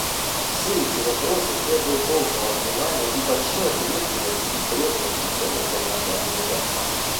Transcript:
Все эти вопросы требуют должного внимания и большой ответственности и преданности ценностям нашей Организации.